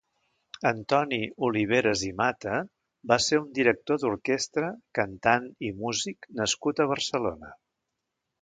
Antoni Oliveres i Mata va ser un director d'orquestra, cantant i músic nascut a Barcelona.